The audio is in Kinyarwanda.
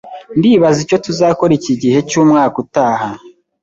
Ndibaza icyo tuzakora iki gihe cyumwaka utaha